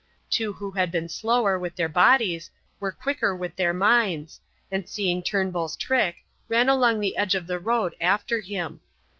Two who had been slower with their bodies were quicker with their minds, and seeing Turnbull's trick, ran along the edge of the road after him.